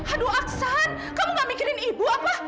aduh aksan kamu gak mikirin ibu apa